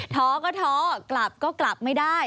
ท้อก็ท้อกลับก็กลับไม่ได้